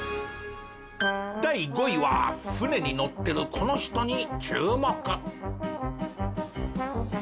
第５位は船に乗ってるこの人に注目！